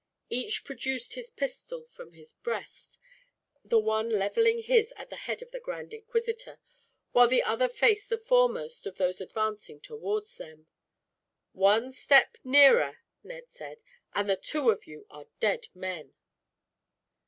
Each produced his pistol from his breast, the one leveling his at the head of the grand inquisitor, while the other faced the foremost of those advancing towards them. "One step nearer," Ned said, "and the two of you are dead men."